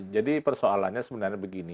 jadi persoalannya sebenarnya begini